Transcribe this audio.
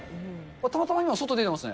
たまたま今、外出てますね。